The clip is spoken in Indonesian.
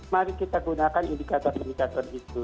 mari kita gunakan indikator indikator itu